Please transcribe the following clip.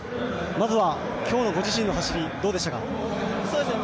まずは今日のご自身の走りどうでしたか？